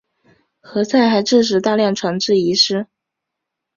何塞还致使大量船只遗失。